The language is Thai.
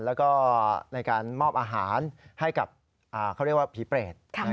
แล้วก็ในการมอบอาหารให้กับเขาเรียกว่าผีเปรต